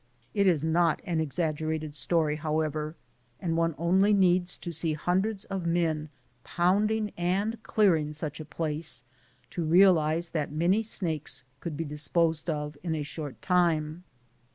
It is not an exaggerated story, however, and one only needs to see hundreds of men pounding and clearing such a place to realize that many snakes could be disposed of in a short time.